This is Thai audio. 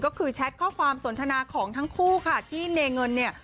ก็คือแชทข้อความสนทนาของทั้งคู่ค่ะที่เนเงินเนี่ย